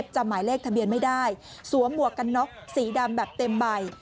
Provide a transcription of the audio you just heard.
จำหมายเลขทะเบียนไม่ได้สวมหมวกกันน็อกสีดำแบบเต็มใบ